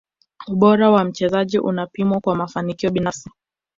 ubora wa mchezaji unapimwa kwa mafanikio binafsi